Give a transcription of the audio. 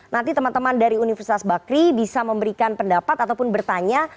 nanti teman teman dari universitas bakri bisa memberikan pendapat ataupun bertanya